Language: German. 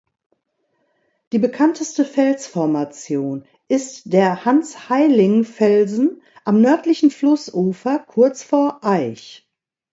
Die bekannteste Felsformation ist der Hans-Heiling-Felsen am nördlichen Flussufer kurz vor Aich.